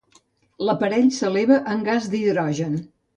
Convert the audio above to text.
L'aparell s'eleva amb gas hidrogen.